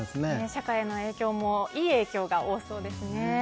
社会へのいい影響も多そうですね。